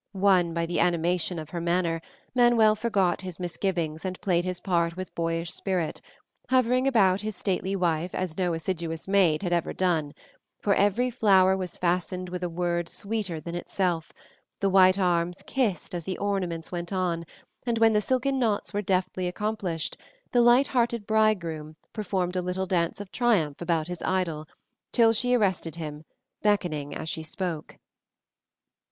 Won by the animation of her manner, Manuel forgot his misgivings and played his part with boyish spirit, hovering about his stately wife as no assiduous maid had ever done; for every flower was fastened with a word sweeter than itself, the white arms kissed as the ornaments went on, and when the silken knots were deftly accomplished, the lighthearted bridegroom performed a little dance of triumph about his idol, till she arrested him, beckoning as she spoke.